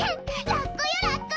ラッコよラッコ！